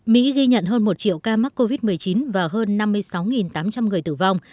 mỹ ghi nhận hơn một triệu ca mắc covid một mươi chín và hơn năm mươi sáu tám trăm linh người tử vong